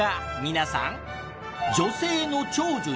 皆さん。